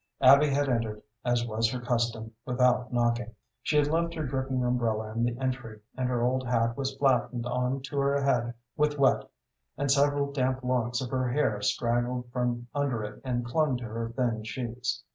Abby had entered, as was her custom, without knocking. She had left her dripping umbrella in the entry, and her old hat was flattened on to her head with wet, and several damp locks of her hair straggled from under it and clung to her thin cheeks.